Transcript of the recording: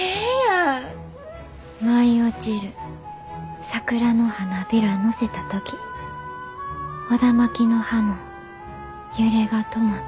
「舞い落ちる桜の花片乗せたときオダマキの葉の揺れが止まった」。